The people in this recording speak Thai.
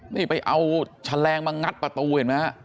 นี่ไปเอาชะแรงมางัดประตูเห็นมั้ยฮะ